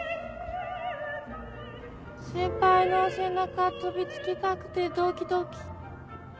先輩の背中飛びつきたくてドキドキ。